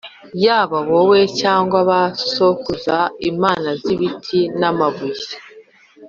yaba wowe cyangwa ba sokuruza, imana z’ibiti n’amabuye